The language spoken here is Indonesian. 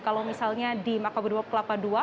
kalau misalnya di mako brimob kelapa ii